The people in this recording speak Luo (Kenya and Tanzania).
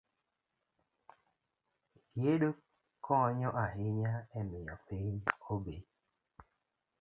Gedo konyo ahinya e miyo piny obe